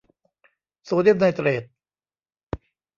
โซเดียมไนเตรท